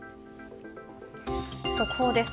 速報です。